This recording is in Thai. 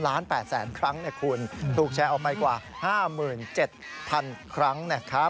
๓ล้าน๘แสนครั้งคุณถูกแชร์ออกไปกว่า๕๗๐๐๐ครั้ง